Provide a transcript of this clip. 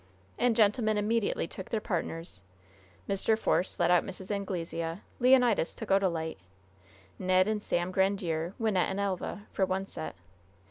And gentlemen immediately took their partners Mr. Force led out Mrs. Anglesea; Leonidas took Odalite; Ned and Sam Grandiere, Wynnette and Elva, for one set.